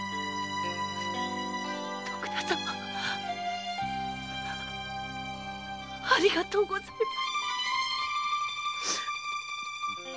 徳田様ありがとうございました。